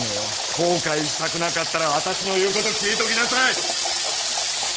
後悔したくなかったら私の言うこと聞いときなさい！